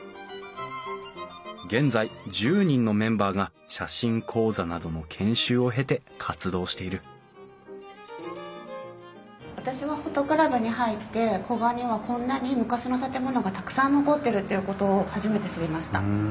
現在１０人のメンバーが写真講座などの私はＰｈｏｔｏクラブに入って古河にはこんなに昔の建物がたくさん残ってるっていうことを初めて知りました。